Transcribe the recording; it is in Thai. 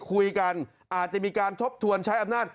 คุยกันอาจจะมีการทบทวนใช้อำนาจ